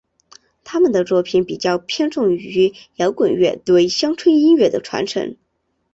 他们的作品比较偏重于摇滚乐对乡村音乐的传承。